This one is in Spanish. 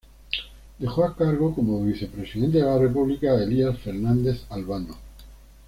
Dejó a cargo, como vicepresidente de la república, a Elías Fernández Albano.